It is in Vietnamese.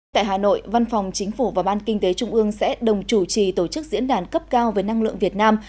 tại hà nội văn phòng chính phủ và ban kinh tế trung ương sẽ đồng chủ trì tổ chức diễn đàn cấp cao về năng lượng việt nam